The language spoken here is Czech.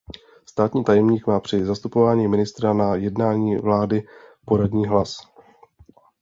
Státní tajemník má při zastupování ministra na jednání vlády poradní hlas.